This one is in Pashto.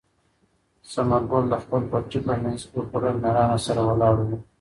ثمر ګل د خپل پټي په منځ کې په پوره مېړانې سره ولاړ و.